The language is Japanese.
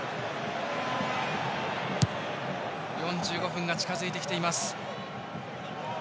４５分が近づいてきています。